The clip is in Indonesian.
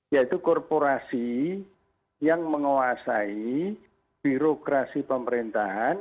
yaitu korporasi yang menguasai birokrasi pemerintahan